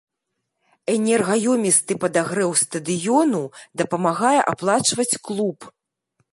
Энергаёмісты падагрэў стадыёну дапамагае аплачваць клуб.